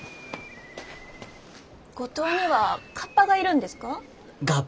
五島にはカッパがいるんですか？